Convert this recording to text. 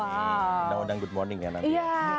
udah undang good morning ya nanti ya